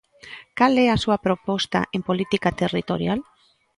Cal é a súa proposta en política territorial?